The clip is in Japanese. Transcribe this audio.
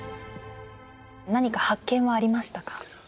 何か発見はありましたか？